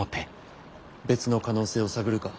別の可能性を探るか。